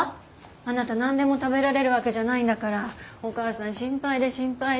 あなた何でも食べられるわけじゃないんだからお母さん心配で心配で。